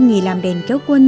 người làm đèn kéo quân